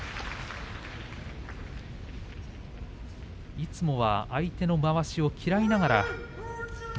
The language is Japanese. いつもは相手のまわしを嫌いながら翠